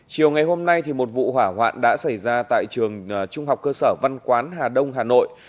chiều ngày hôm nay một vụ hỏa hoạn đã xảy ra tại trường trung học cơ sở văn quán hà đông hà nội